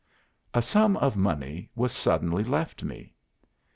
"A sum of money was suddenly left me.